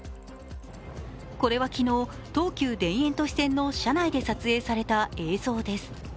これは昨日、東急田園都市線の車内で撮影された映像です。